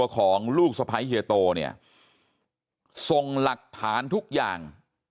ของลูกสะพ้ายเฮียโตเนี่ยส่งหลักฐานทุกอย่าง